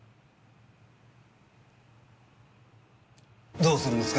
どうするんですか？